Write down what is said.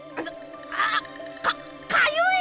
あ！かかゆい！